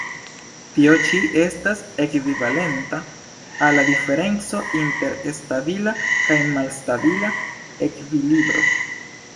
Tio ĉi estas ekvivalenta al la diferenco inter stabila kaj malstabila ekvilibro.